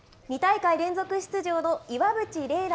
２大会連続出場の、岩渕麗